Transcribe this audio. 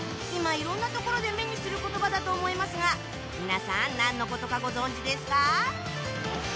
今、いろんなところで目にする言葉だと思いますが皆さん、何のことかご存じですか？